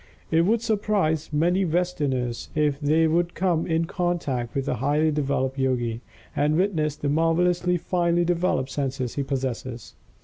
It would surprise many Westerners if they could come in contact with a highly developed Yogi, and witness the marvelously finely developed senses he possesses.